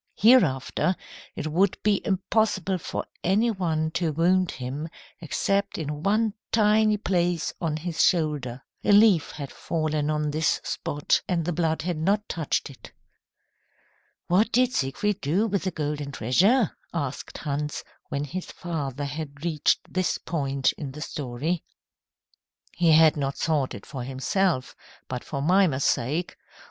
Hereafter it would be impossible for any one to wound him except in one tiny place on his shoulder. A leaf had fallen on this spot, and the blood had not touched it. "What did Siegfried do with the golden treasure?" asked Hans, when his father had reached this point in the story. "He had not sought it for himself, but for Mimer's sake.